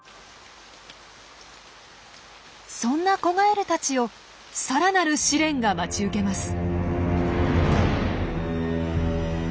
そんな子ガエルたちをさらなる試練が待ち受けます。